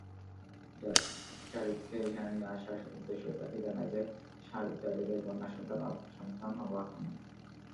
যারীদকে এখানে নিয়ে আসার উদ্দেশ্যও তাকে জানায় যে, যারীদের কন্যা সন্তান অনেক।